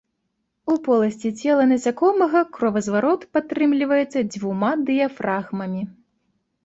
У поласці цела насякомага кровазварот падтрымліваецца дзвюма дыяфрагмамі.